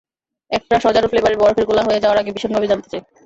একটা শজারু ফ্লেভারের বরফের গোলা হয়ে যাওয়ার আগে ভীষণভাবে জানতে চাই।